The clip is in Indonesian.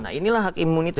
nah inilah hak imunitasnya